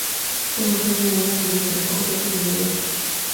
中国科学院外籍院士和欧洲科学院院士。